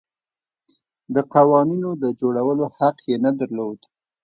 د قوانینو د جوړولو حق یې نه درلود.